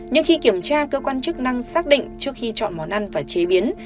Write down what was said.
nhưng khi kiểm tra cơ quan chức năng xác định trước khi chọn món ăn và chế biến